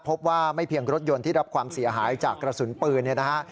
พบว่าไม่เพียงรถยนต์ที่รับความเสียหายจากกระสุนปืนเนี่ยนะฮะ